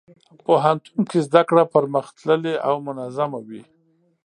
پوهنتون کې زدهکړه پرمختللې او منظمه وي.